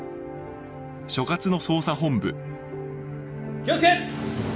気を付け！